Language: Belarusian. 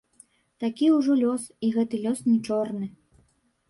Такі ўжо лёс, і гэты лёс не чорны.